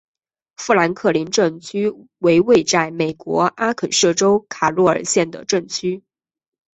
富兰克林镇区为位在美国阿肯色州卡洛尔县的镇区。